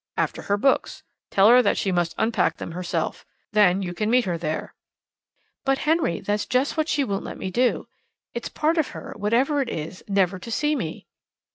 "After her books. Tell her that she must unpack them herself. Then you can meet her there." "But, Henry, that's just what she won't let me do. It's part of her whatever it is never to see me."